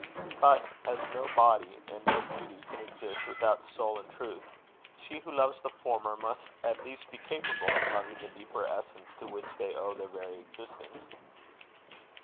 But as no body and no beauty can exist without soul and truth, she who loves the former must at least be capable of loving the deeper essence to which they owe their very existence.